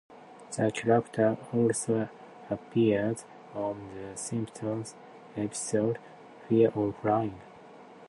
The character also appeared on "The Simpsons" episode "Fear of Flying".